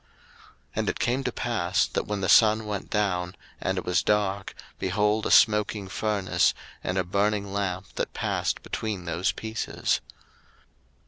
01:015:017 And it came to pass, that, when the sun went down, and it was dark, behold a smoking furnace, and a burning lamp that passed between those pieces.